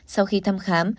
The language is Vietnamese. sau khi thăm khám